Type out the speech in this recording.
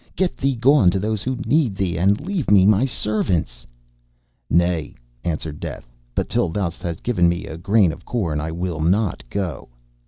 Get thee gone to those who need thee, and leave me my servants.' 'Nay,' answered Death, 'but till thou hast given me a grain of corn I will not go.